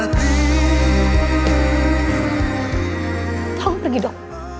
tolong pergi dok